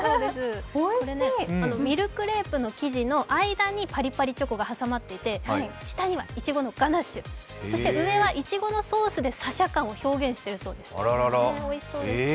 ミルクレープの生地の間にパリパリチョコが入っていて下にはいちごのガナッシュ、そして上はいちごのソースで紗々感を表現しているそうです。